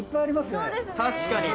確かに。